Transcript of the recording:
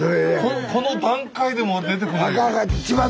この段階でも出てこない。